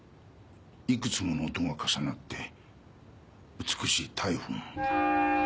いくつもの音が重なって美しいタイフォン。